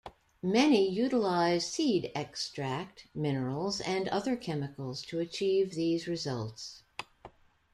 Many utilize seed extract, minerals, and other chemicals to achieve these results.